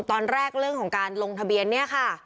ตอนแรกเรื่องของการลงทะเบียนเนี่ยค่ะ